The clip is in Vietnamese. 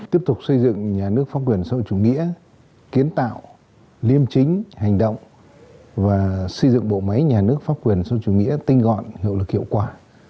tiếp tục xây dựng nhà nước pháp quyền xã hội chủ nghĩa kiến tạo liêm chính hành động và xây dựng bộ máy nhà nước pháp quyền xã hội chủ nghĩa tinh gọn hiệu lực hiệu quả